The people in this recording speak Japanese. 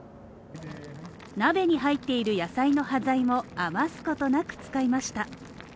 鍋に入っている野菜の端材も余すことなく使いました。